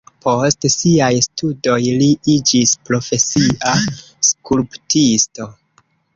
Post siaj studoj li iĝis profesia skulptisto.